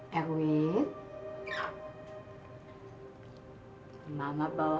tidak tidak tidak